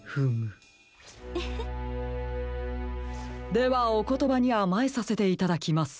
ではおことばにあまえさせていただきます。